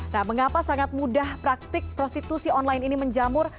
nah mengapa sangat mudah praktik prostitusi online ini menjamur